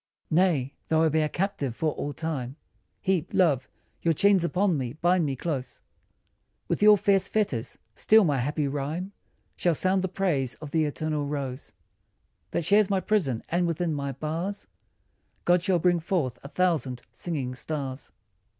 Nay, though I be a captive for all time Heap, love, your chains upon me, bind me close With your fierce fetters still my happy rhyme Shall sound the praise of the eternal rose That shares my prison, and within my bars God shall bring forth a thousand singing stars.